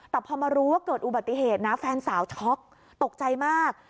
แต่พอมารู้ว่าเกิดอุบัติเหตุนะแฟนสาวช็อกตกใจมาก